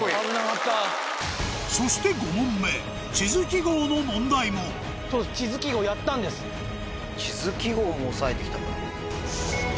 そして５問目地図記号の問題も地図記号も押さえて来たか。